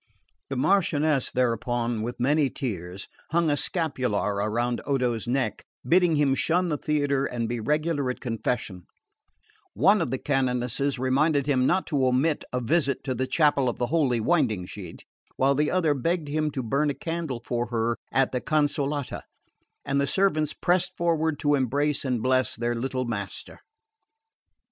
The Marchioness thereupon, with many tears, hung a scapular about Odo's neck, bidding him shun the theatre and be regular at confession; one of the canonesses reminded him not to omit a visit to the chapel of the Holy Winding sheet, while the other begged him to burn a candle for her at the Consolata; and the servants pressed forward to embrace and bless their little master.